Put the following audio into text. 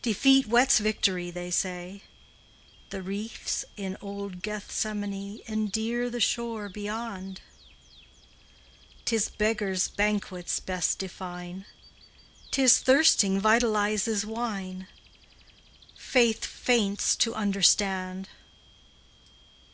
Defeat whets victory, they say; The reefs in old Gethsemane Endear the shore beyond. 'T is beggars banquets best define; 'T is thirsting vitalizes wine, Faith faints to understand.